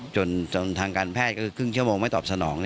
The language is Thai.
จนทางการแพทย์ก็คือครึ่งชั่วโมงไม่ตอบสนอง